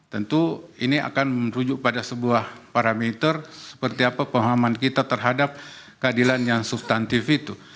tentu ini akan merujuk pada sebuah parameter seperti apa pemahaman kita terhadap keadilan yang substantif itu